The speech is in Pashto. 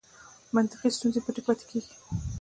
منطقي ستونزې پټې پاتې کېږي.